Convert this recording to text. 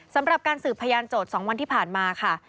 สำหรับการสืบพยานโจทย์๒วันที่ผ่านมาค่ะ